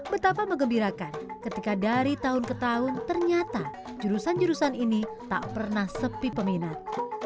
betapa mengembirakan ketika dari tahun ke tahun ternyata jurusan jurusan ini tak pernah sepi peminat